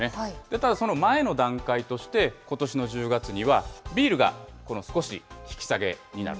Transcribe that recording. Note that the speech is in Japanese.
ただ、その前の段階として、ことしの１０月には、ビールが少し引き下げになる。